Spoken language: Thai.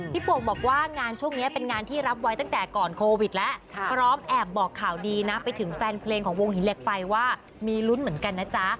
โป่งบอกว่างานช่วงนี้เป็นงานที่รับไว้ตั้งแต่ก่อนโควิดแล้วพร้อมแอบบอกข่าวดีนะไปถึงแฟนเพลงของวงหินเหล็กไฟว่ามีลุ้นเหมือนกันนะจ๊ะ